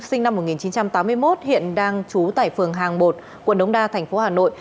sinh năm một nghìn chín trăm tám mươi một hiện đang trú tại phường hàng bột quận đống đa thành phố hà nội